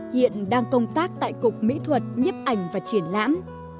hiện đang công tác tại cục mỹ thuật nhếp ảnh và triển lãm